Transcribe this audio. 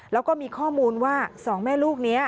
แล้วก็มีข้อมูลว่า๒แม่ลูกนี้